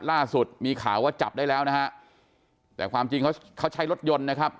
ล่าสุดมีข่าวว่าจับได้แล้วนะฮะแต่ความจริงเขาเขาใช้รถยนต์นะครับ